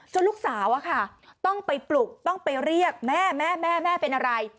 จนลูกสาวอะค่ะต้องไปปลุกต้องไปเรียกแม่เป็นอะไร